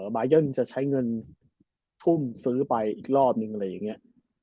บายันจะใช้เงินทุ่มซื้อไปอีกรอบนึงอะไรอย่างนี้